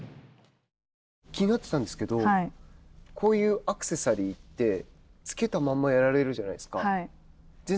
気になってたんですけどこういうアクセサリーって付けたままやられるじゃないですか。